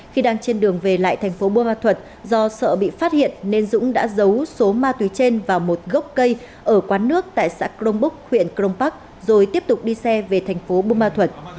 khi đang trên đường về lại thành phố bùa ma thuật do sợ bị phát hiện nên dũng đã giấu số ma túy trên vào một gốc cây ở quán nước tại xã crong búc huyện crong park rồi tiếp tục đi xe về thành phố bù ma thuật